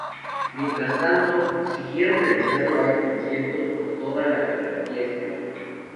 Mientras tanto, siguieron realizando varios conciertos por toda la geografía española.